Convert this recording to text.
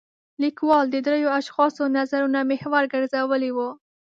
لیکوال د درېو اشخاصو نظرونه محور ګرځولی و.